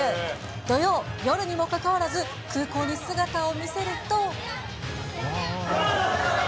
土曜、夜にもかかわらず空港に姿を見せると。